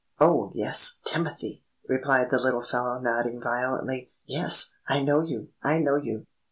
"Oh, yes, Timothy!" replied the little fellow, nodding violently. "Yes! I know you! I know you!"